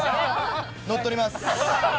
乗っ取ります。